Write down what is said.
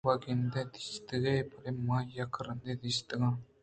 توبہ گندے دیستگ بلئےمن یک رندے ءَدیستگاں